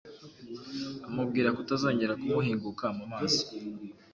amubwira kutazongera kumuhinguka mu maso.